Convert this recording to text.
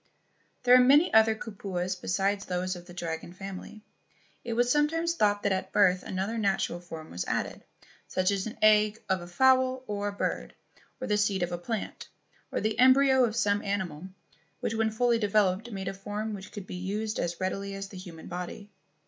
There were many other kupuas besides those of the dragon family. It was sometimes thought that at birth another natural form was added, such as an egg of a fowl or a bird, or the seed of a plant, or the embryo of some animal, which when fully developed made a form which could be used as readily as the human body.